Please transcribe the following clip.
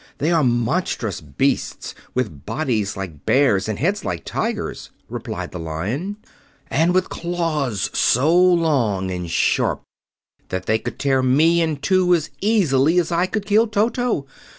"They are monstrous beasts with bodies like bears and heads like tigers," replied the Lion, "and with claws so long and sharp that they could tear me in two as easily as I could kill Toto.